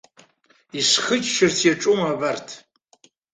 Исхыччарц иаҿума абарҭ.